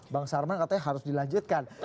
bang sarman katanya harus dilanjutkan